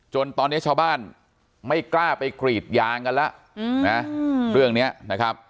จนตอนนี้ชาวบ้านไม่กล้าไปกรีดยางกันแล้วนะเรื่องนี้นะครับ